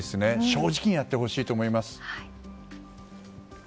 正直にやってほしいと思います。